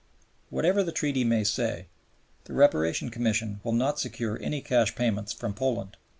Whatever the Treaty may say, the Reparation Commission will not secure any cash payments from Poland.